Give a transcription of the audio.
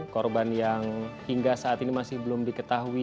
korban yang hingga saat ini masih belum diketahui